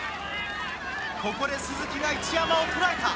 ここで鈴木が一山を捉えた。